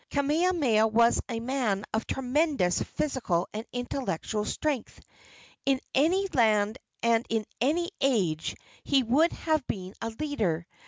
Kamehameha was a man of tremendous physical and intellectual strength. In any land and in any age he would have been a leader.